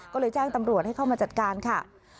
ก็เลยแจ้งตำรวจให้เข้ามาจัดการค่ะ